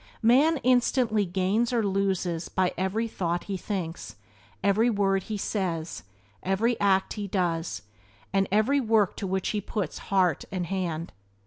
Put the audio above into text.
Man instantly gains or loses by every thought he thinks, every word he says, every act he does, and every work to which he puts hand and heart.